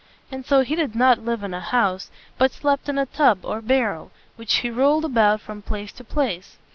And so he did not live in a house, but slept in a tub or barrel, which he rolled about from place to place.